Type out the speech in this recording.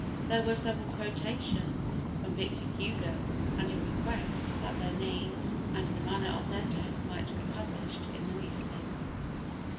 There were several quotations from Victor Hugo, and a request that their names and the manner of their death might be published in the newspapers.